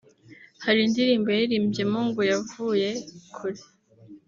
Hari indirimbo yaririmbyemo ngo yavuye kure